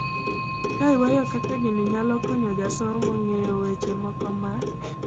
ka iweyo kaka gini nyalo konyo jasomo ng'eyo weche moko ma